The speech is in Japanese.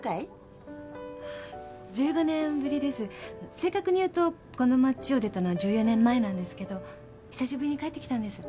正確に言うとこの町を出たのは１４年前なんですけど久しぶりに帰ってきたんです。